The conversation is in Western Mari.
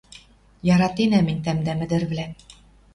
Яратенӓм мӹнь тӓмдӓм, ӹдӹрвлӓм